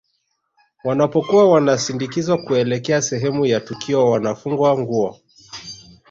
Wanapokuwa wanasindikizwa kuelekea sehemu ya tukio wanafungwa nguo